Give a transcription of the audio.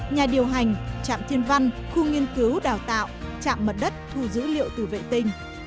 nhà điều hành trạm thiên văn khu nghiên cứu đào tạo trạm mật đất thu dữ liệu từ vệ tinh